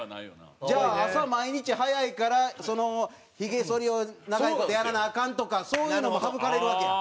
じゃあ朝毎日早いからそのヒゲそりを長い事やらなアカンとかそういうのも省かれるわけや。